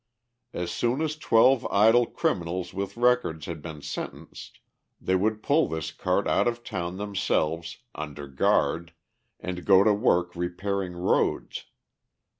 As soon as twelve idle criminals with records had been sentenced, they would pull this cart out of town themselves, under guard, and go to work repairing roads.